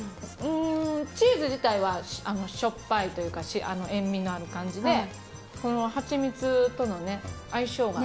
チーズ自体はしょっぱいというか塩みのある感じでこのハチミツとの相性が。